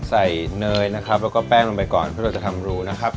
เนยนะครับแล้วก็แป้งลงไปก่อนเพื่อเราจะทำรูนะครับ